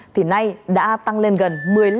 thì nay đã tăng lên gần một mươi năm